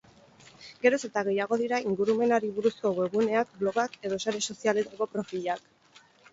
Geroz eta gehiago dira ingurumenari buruzko webguneak, blogak edo sare sozialetako profilak.